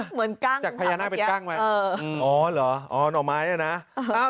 ฮะจากพญานาคเป็นกั้งไหมอ๋อเหรอหน่อไม้น่ะนะ